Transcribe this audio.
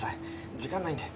時間ないんで。